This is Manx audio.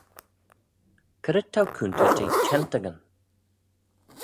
C'red t'ou coontey jeh çhentagyn?